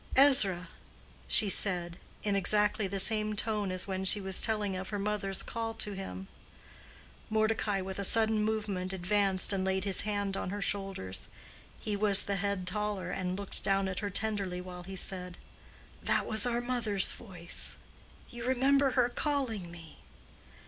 "Ezra," she said, in exactly the same tone as when she was telling of her mother's call to him. Mordecai with a sudden movement advanced and laid his hand on her shoulders. He was the head taller, and looked down at her tenderly while he said, "That was our mother's voice. You remember her calling me?"